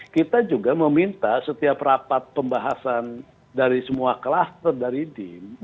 kita juga meminta setiap rapat pembahasan dari semua klaster dari dim